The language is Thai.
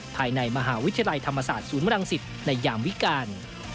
ภายในมหาวิทยาลัยธรรมศาสตร์ศูนย์บรังสิตในยามวิการ